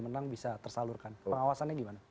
menang bisa tersalurkan pengawasannya gimana